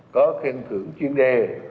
có khen cử chuyên đề